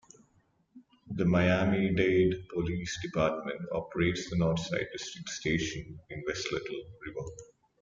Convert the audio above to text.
The Miami-Dade Police Department operates the Northside District Station in West Little River.